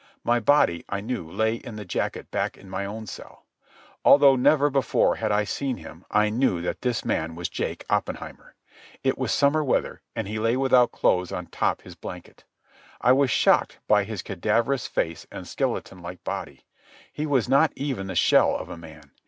My body, I knew, lay in the jacket back in my own cell. Although never before had I seen him, I knew that this man was Jake Oppenheimer. It was summer weather, and he lay without clothes on top his blanket. I was shocked by his cadaverous face and skeleton like body. He was not even the shell of a man.